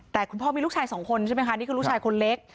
แต่คุณพ่อมีลูกชายสองคนใช่ไหมคะนี่คือลูกชายคนเล็ก